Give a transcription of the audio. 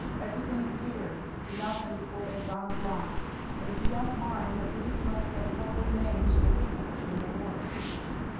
Everything is here. We got them before they'd gone a block. But if you don't mind, the police must get a couple of names for witnesses in the warrant."